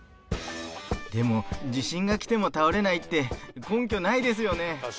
でも地震が来ても倒れないって根拠ないですよね？